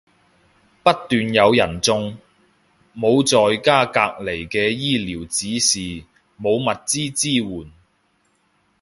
不斷有人中，冇在家隔離嘅醫療指示，冇物資支援